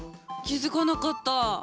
気付かなかった。